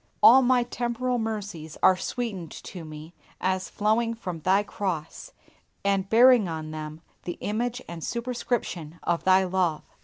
All my temporal mercies are sweetened to me as flowing from Thy cross, and bearing on them the image and superscription of Thy love.